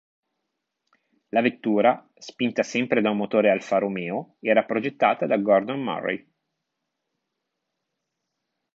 La vettura, spinta sempre da un motore Alfa Romeo, era progettata da Gordon Murray.